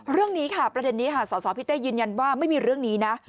เรื่องนี้ค่ะประเด็นนี้ค่ะสสพี่เต้ยืนยันว่าไม่มีเรื่องนี้นะ